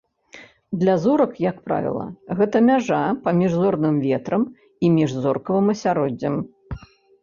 Для зорак, як правіла, гэта мяжа паміж зорным ветрам і міжзоркавым асяроддзем.